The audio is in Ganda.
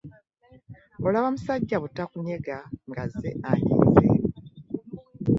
Olaba musajja butakunyega ng'azze anyiize!